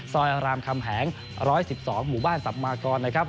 รามคำแหง๑๑๒หมู่บ้านสับมากรนะครับ